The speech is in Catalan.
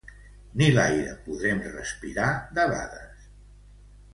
Ni l'aire podrem respirar debades.